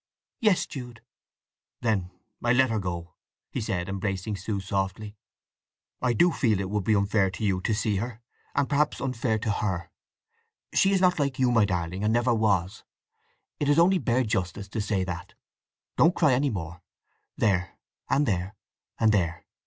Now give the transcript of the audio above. "Yes, Jude." "Then I'll let her go," said he, embracing Sue softly. "I do feel that it would be unfair to you to see her, and perhaps unfair to her. She is not like you, my darling, and never was: it is only bare justice to say that. Don't cry any more. There; and there; and there!"